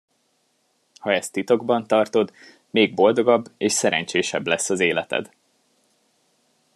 Ha ezt titokban tartod, még boldogabb és szerencsésebb lesz az életed!